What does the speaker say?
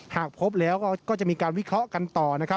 หากพบแล้วก็จะมีการวิเคราะห์กันต่อนะครับ